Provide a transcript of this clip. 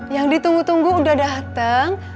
yang ditunggu tunggu udah datang